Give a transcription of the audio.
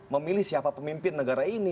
memilih siapa pemimpin negara ini